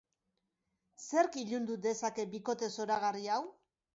Zerk ilundu dezake bikote zoragarri hau?